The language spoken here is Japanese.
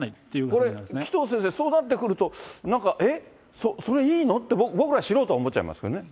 これ、紀藤先生、そうなってくると、なんか、えっ、それいいのって、僕ら、素人は思っちゃいますけどね。